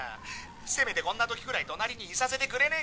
せめてこんなときくらい隣にいさせてくれねえか？